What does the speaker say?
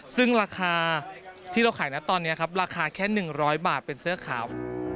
ซึ่งราคาที่เราขายนะตอนนี้ครับราคาแค่๑๐๐บาทเป็นเสื้อขาว